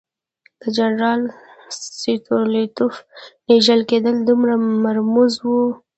د جنرال ستولیتوف لېږل کېدل دومره مرموز وو.